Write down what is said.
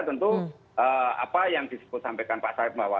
tentu apa yang disampaikan pak syarif bahwa